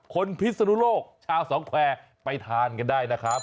พิศนุโลกชาวสองแควร์ไปทานกันได้นะครับ